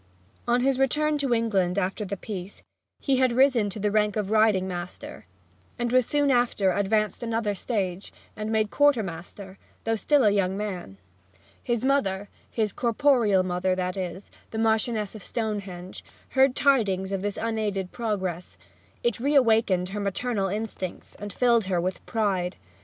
On his return to England after the peace he had risen to the rank of riding master, and was soon after advanced another stage, and made quartermaster, though still a young man. His mother his corporeal mother, that is, the Marchioness of Stonehenge heard tidings of this unaided progress; it reawakened her maternal instincts, and filled her with pride.